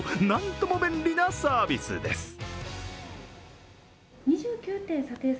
何とも便利なサービスです。